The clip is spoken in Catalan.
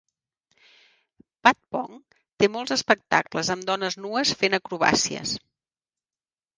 Patpong té molts espectacles amb dones nues fent acrobàcies.